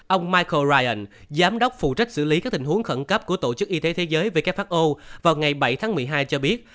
ông michel ryan giám đốc phụ trách xử lý các tình huống khẩn cấp của tổ chức y tế thế giới who vào ngày bảy tháng một mươi hai cho biết